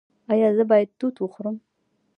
ایا زه باید توت وخورم؟